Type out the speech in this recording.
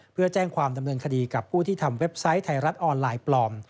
เพื่อแจ้งความดำเนินคดีกับผู้ที่ทำเว็บไซต์ไทยรัฐออนไลน์ปลอม